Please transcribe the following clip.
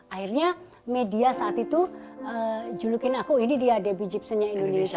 akhirnya media saat itu julukin aku ini dia debbie gyptionnya indonesia